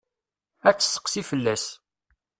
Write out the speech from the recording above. Ad tesseqsi fell-as.